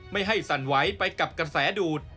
ไม่ให้สั่นไหวไปกับกระแสดูด